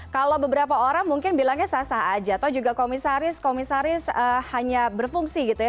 kalau beberapa orang mungkin bilangnya sah sah aja atau juga komisaris komisaris hanya berfungsi gitu ya